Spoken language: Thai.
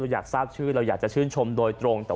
อยากชื่นชมด้วยตรง